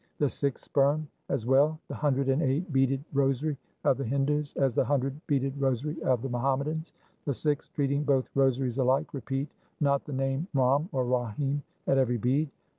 The Sikhs spurn as well the hundred and eight beaded rosary of the Hindus as the hundred beaded rosary of the Muhammadans. The Sikhs, treating both rosaries alike, repeat not the name Ram or Rahim at every bead.